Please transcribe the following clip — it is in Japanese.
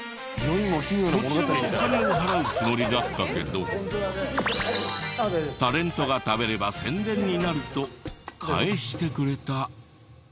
こちらはお金を払うつもりだったけどタレントが食べれば宣伝になると返してくれた。